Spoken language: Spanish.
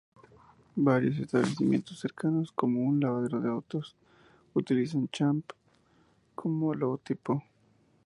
Varios establecimientos cercanos, como un lavadero de autos, utilizan a "Champ" como logotipo.